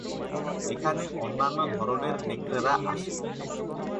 এখানেই "অন্যান্য" ধরনের নেকড়েরা আসে।